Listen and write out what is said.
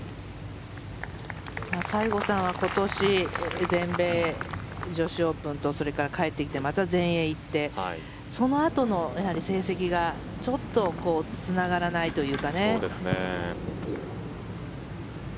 西郷さんは今年、全米女子オープンとそれから帰ってきてまた全英に行ってそのあとの成績がちょっとつながらないというか。